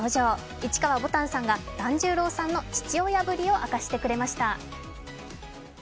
市川ぼたんさんが團十郎さんの父親ぶりを明かしてくれました。